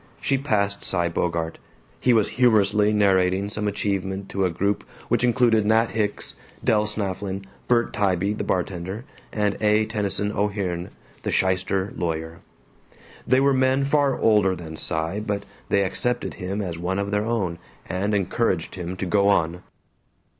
She passed Cy Bogart. He was humorously narrating some achievement to a group which included Nat Hicks, Del Snafflin, Bert Tybee the bartender, and A. Tennyson O'Hearn the shyster lawyer. They were men far older than Cy but they accepted him as one of their own, and encouraged him to go on.